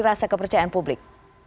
rasa kepercayaan publik